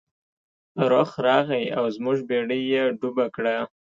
رخ راغی او زموږ بیړۍ یې ډوبه کړه.